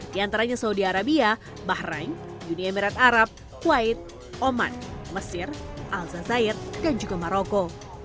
di antaranya saudi arabia bahrain uni emirat arab kuwait oman mesir al zazair dan juga maroko